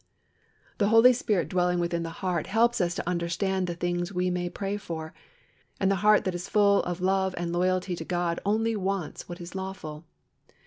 The Holy Spirit dwelling within the heart helps us to understand the things we may pray for, and the heart that is full of love and loyalty to God only wants what is lawful.